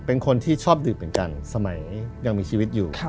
เป็นคนที่ชอบดื่มเหมือนกันสมัยยังมีชีวิตอยู่